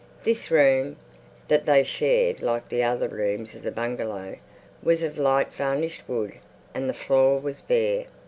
This room that they shared, like the other rooms of the bungalow, was of light varnished wood and the floor was bare.